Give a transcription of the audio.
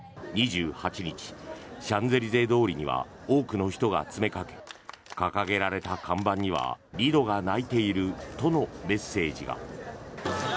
２８日、シャンゼリゼ通りには多くの人が詰めかけ掲げられた看板にはリドが泣いているとのメッセージが。